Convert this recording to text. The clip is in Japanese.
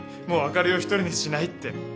もうあかりを独りにしないって。